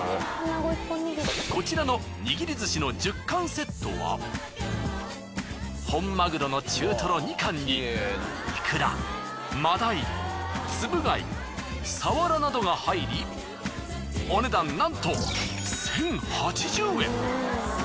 こちらのにぎり寿司の１０貫セットは本マグロの中とろ２貫にイクラ真鯛つぶ貝サワラなどが入りお値段なんと１，０８０円！